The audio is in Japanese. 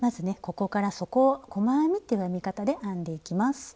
ここから底を細編みっていう編み方で編んでいきます。